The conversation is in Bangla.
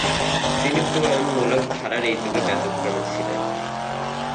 তিনি প্রণয়মূলক ধারার এই যুগে ব্যতিক্রমী ছিলেন।